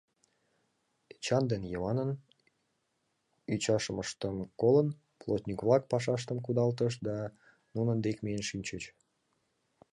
Эчан ден Йыванын ӱчашымыштым колын, плотник-влак пашаштым кудалтышт да нунын дек миен шинчыч.